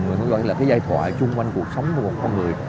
gọi là cái giai thoại chung quanh cuộc sống của một con người